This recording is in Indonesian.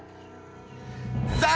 saya tunjukin bagaimana jahatnya saya